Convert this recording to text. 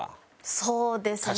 そうですね。